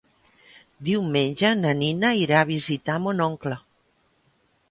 Diumenge na Nina irà a visitar mon oncle.